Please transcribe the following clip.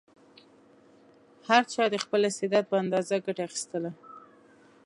هر چا د خپل استعداد په اندازه ګټه اخیستله.